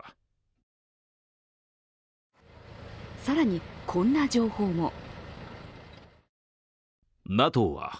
更にこんな情報も。